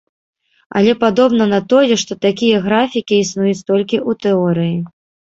Але падобна на тое, што такія графікі існуюць толькі ў тэорыі.